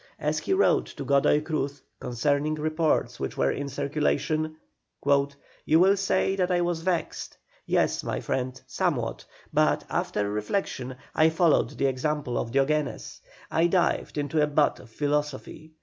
As he wrote to Godoy Cruz, concerning reports which were in circulation: "You will say that I was vexed. Yes, my friend, somewhat; but, after reflection, I followed the example of Diogenes, I dived into a butt of philosophy.